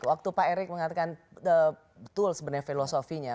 waktu pak erick mengatakan betul sebenarnya filosofinya